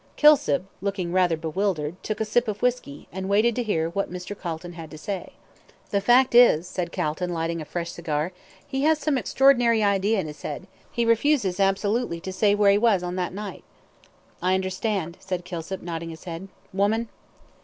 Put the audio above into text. Kilsip, looking rather bewildered, took a sip of whisky, and waited to hear what Mr. Calton had to say. "The fact is," said Calton, lighting a fresh cigar, "he has some extraordinary idea in his head. He refuses absolutely to say where he was on that night." "I understand," said Kilsip, nodding his head. "Woman?"